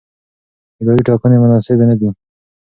اداري ټاکنې مناسبې نه دي.